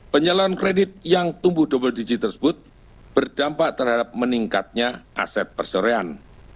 penyaluran kredit yang tumbuh double digit tersebut berdampak terhadap meningkatnya aset persorean